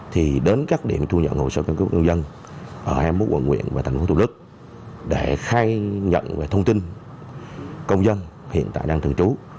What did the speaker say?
thì đến các điểm thu nhận hộ sở căn cước công dân ở em bố quận nguyễn và tp hcm để khai nhận về thông tin công dân hiện tại đang thường trú